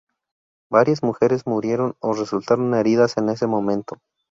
Varias mujeres murieron o resultaron heridas en ese momento.